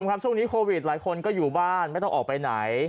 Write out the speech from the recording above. ครับช่วงนี้โควิดหลายคนก็อยู่บ้านไม่ต้องออกไปไหน